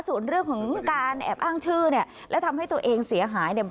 ส่วนเรื่องของการแอบอ้างชื่อเนี่ยและทำให้ตัวเองเสียหายเนี่ย